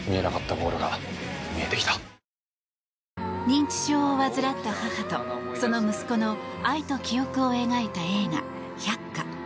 認知症を患った母とその息子の愛と記憶を描いた映画「百花」。